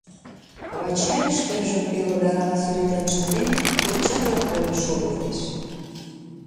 Вачай, шкенжым пелодарла сӱретлен шынден, курчакла койын шогылтеш.